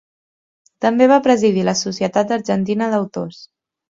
També va presidir la Societat Argentina d'Autors.